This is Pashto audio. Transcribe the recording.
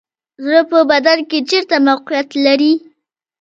زړه په بدن کې چیرته موقعیت لري